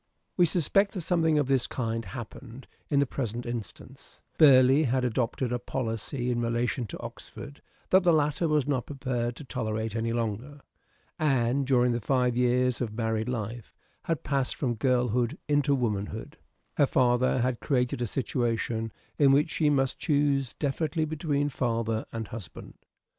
We suspect that something of this kind happened in the present instance. Burleigh had adopted a policy in relation to Oxford that the latter was not prepared to tolerate any longer. Anne, during the five years of married life, had passed from girlhood into womanhood. Her father had created a situation in which she must choose definitely between father and husband.